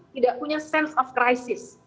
tidak punya sense of crisis